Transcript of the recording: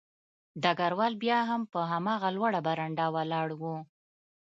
ډګروال بیا هم په هماغه لوړه برنډه ولاړ و